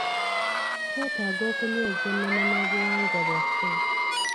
Twetaaga okunyweza ennono n'obuwangwa bwaffe.